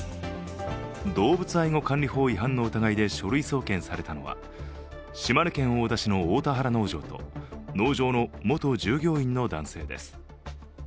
動物愛護管理法違反の疑いで書類送検されたのは島根県大田市の大田原農場と農場の元従業員の男性です。